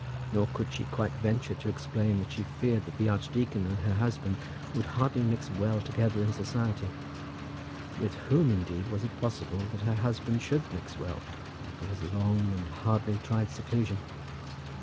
Nor could she quite venture to explain that she feared that the archdeacon and her husband would hardly mix well together in society. With whom, indeed, was it possible that her husband should mix well, after his long and hardly tried seclusion?